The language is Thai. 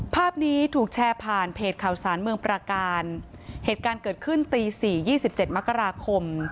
ภาพนี้ถูกแชร์ผ่านเพจข่าวสารเมืองประการเหตุการณ์เกิดขึ้นตีสี่ยี่สิบเจ็ดมกราคม